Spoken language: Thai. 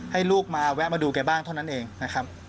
ให้ลูกมาแวะมาดูแกบ้างเท่านั้นเองนะครับ